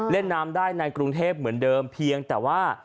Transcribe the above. เล่นน้ำได้ในกรุงเทพเหมือนเดิมเพียงแต่ว่า